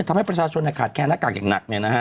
ทำให้ประชาชนขาดแคลนหน้ากากอย่างหนัก